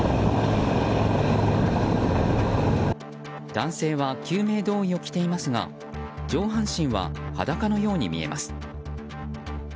男性は救命胴衣を着ていますが上半身は裸のように見えます。